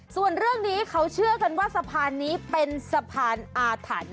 ส่วนเรื่องนี้เขาเชื่อกันว่าสะพานนี้เป็นสะพานอาถรรพ์